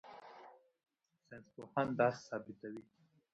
ساینسپوهان دا ثبتوي.